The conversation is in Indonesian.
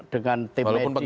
dengan tim edis yang